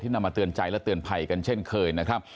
นำมาเตือนใจและเตือนภัยกันเช่นเคยนะครับ